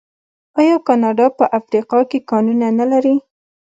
آیا کاناډا په افریقا کې کانونه نلري؟